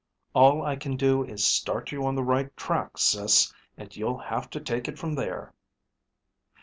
All I can do is start you on the right track, Sis, and you'll have to take it from there.